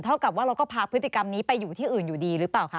กับว่าเราก็พาพฤติกรรมนี้ไปอยู่ที่อื่นอยู่ดีหรือเปล่าคะ